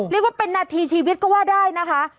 เรียกว่าเป็นนาทีชีวิตก็ว่าได้นะคะ